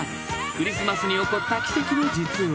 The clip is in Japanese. クリスマスに起こった奇跡の実話］